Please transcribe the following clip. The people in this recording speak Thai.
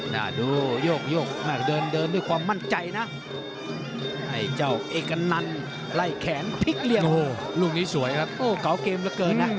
ดูโยกเดินด้วยความมั่นใจนะไอ้เจ้าเอกนันไล่แขนพริกเลี่ยงโอ้โหลูกนี้สวยครับ